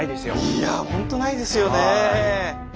いやほんとないですよねえ！